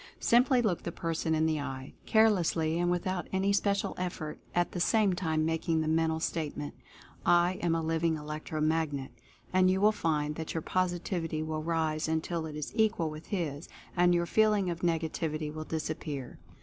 Simply look the person in the eye, carelessly and without any special effort, at the same time making the mental statement, "I Am A Liv ing Electro Magnet," and you will find that your Positivity will rise until it is equal with his, and your feeling of negativity will disappear.